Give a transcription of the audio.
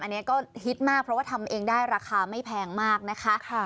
อันนี้ก็ฮิตมากเพราะว่าทำเองได้ราคาไม่แพงมากนะคะ